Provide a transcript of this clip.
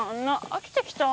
飽きてきた。